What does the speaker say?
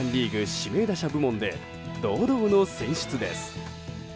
指名打者部門で堂々の選出です。